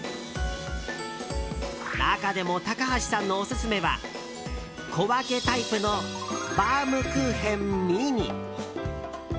中でも高橋さんのオススメは小分けタイプのバームクーヘンｍｉｎｉ。